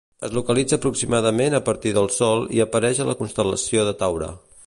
Es localitza aproximadament a partir del sol i apareix a la constel·lació de Taure.